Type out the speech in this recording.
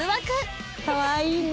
かわいいね。